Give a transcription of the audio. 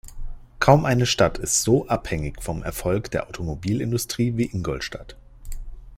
Kaum eine Stadt ist so abhängig vom Erfolg der Automobilindustrie wie Ingolstadt.